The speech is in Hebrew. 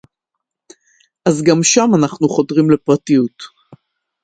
אז גם שם אנחנו חודרים לפרטיות